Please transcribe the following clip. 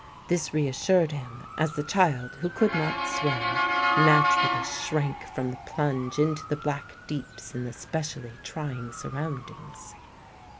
This reassured him; as the child, who could not swim, naturally shrank from the plunge into the black deeps in the specially trying surroundings.